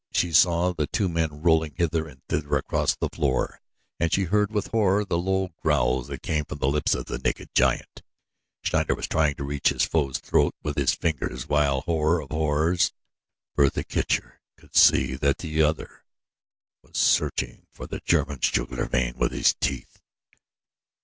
She saw the two men rolling hither and thither across the floor and she heard with horror the low growls that came from the lips of the naked giant. Schneider was trying to reach his foe's throat with his fingers while, horror of horrors, Bertha Kircher could see that the other was searching for the German's jugular with his teeth!